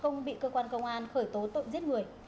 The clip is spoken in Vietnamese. không bị cơ quan công an khởi tố tội giết người